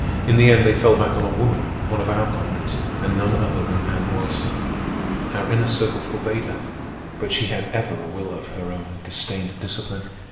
In the end they fell back on a woman, one of our comrades, and none other than Anna Roylston. Our Inner Circle forbade her, but she had ever a will of her own and disdained discipline.